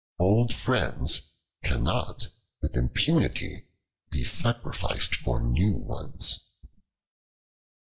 Old friends cannot with impunity be sacrificed for new ones.